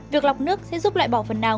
việc lọc nước sẽ giúp lại bỏ phần nào